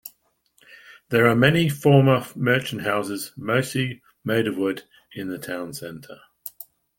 There are many former merchant houses, mostly made of wood, in the town center.